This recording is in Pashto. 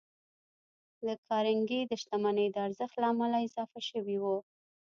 د کارنګي د شتمنۍ د ارزښت له امله اضافه شوي وو.